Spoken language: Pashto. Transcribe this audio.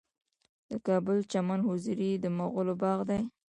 د کابل چمن حضوري د مغلو باغ دی